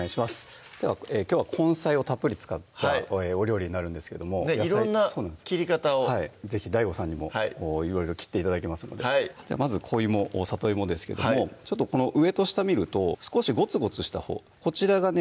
きょうは根菜をたっぷり使ったお料理になるんですけども色んな切り方を是非ＤＡＩＧＯさんにもいろいろ切って頂きますのでまずさといもですけどもこの上と下見ると少しゴツゴツしたほうこちらがね